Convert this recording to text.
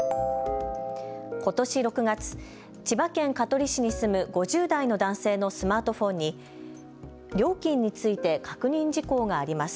ことし６月、千葉県香取市に住む５０代の男性のスマートフォンに料金について確認事項があります。